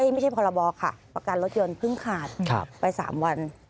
พรบค่ะประกันรถยนต์เพิ่งขาดไป๓วัน